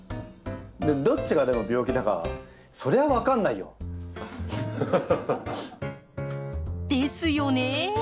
どっちがでも病気だかそれは分かんないよ。ですよね。